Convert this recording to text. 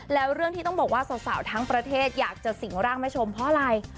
แล้วเรื่องที่ต้องบอกว่าสาวทั้งประเทศอยากจะสิงร่างแม่ชมเพราะอะไร